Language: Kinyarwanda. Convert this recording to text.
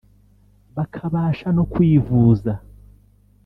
bakabasha no kwivuza